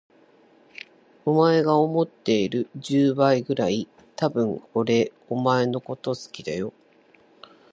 お前が思っている十倍くらい、多分俺お前のこと好きだよ。